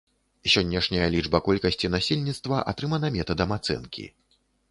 Сённяшняя лічба колькасці насельніцтва атрымана метадам ацэнкі.